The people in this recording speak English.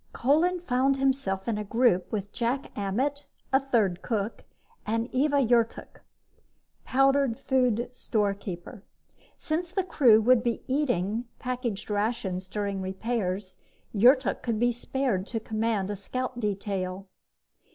Kolin found himself in a group with Jak Ammet, a third cook, and Eva Yrtok, powdered foods storekeeper. Since the crew would be eating packaged rations during repairs, Yrtok could be spared to command a scout detail.